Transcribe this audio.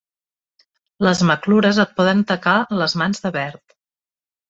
Les maclures et poden tacar les mans de verd.